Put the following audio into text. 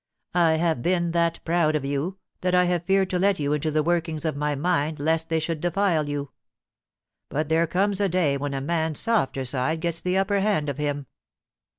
.... I have been that proud of you, that I have feared to let you into the workings of my mind lest they should defile you. But there comes a day when a man's softer side gets the upper hand of him.